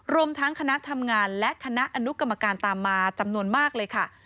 รวมทั้งคณะทำงานและคณะอนุกรรมการตามมาจำนวนมากเลยค่ะ